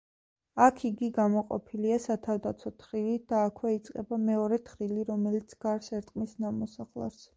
აქ იგი გამოყოფილია სათავდაცვო თხრილით და აქვე იწყება მეორე თხრილი, რომელიც გარს ერტყმის ნამოსახლარს.